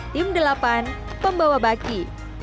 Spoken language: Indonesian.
tim delapan pembawa baki